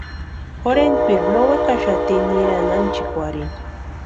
Jorhentpiri no wekaxati nirani ánchikwarhini.